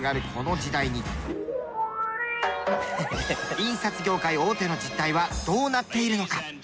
印刷業界大手の実態はどうなっているのか？